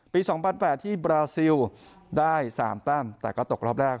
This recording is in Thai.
๒๐๐๘ที่บราซิลได้๓แต้มแต่ก็ตกรอบแรก